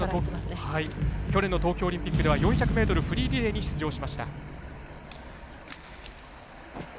去年の東京オリンピックでは４００ｍフリーリレーに出場しました。